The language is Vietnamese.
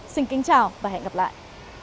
xin kính chào và hẹn gặp lại